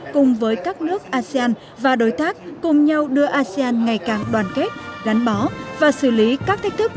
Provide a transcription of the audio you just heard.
cùng với các nước asean và đối tác cùng nhau đưa asean ngày càng đoàn kết gắn bó và xử lý các thách thức